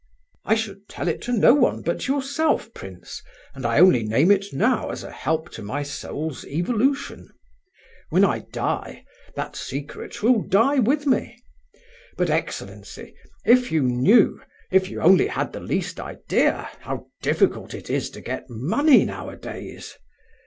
"I should tell it to no one but yourself, prince, and I only name it now as a help to my soul's evolution. When I die, that secret will die with me! But, excellency, if you knew, if you only had the least idea, how difficult it is to get money nowadays!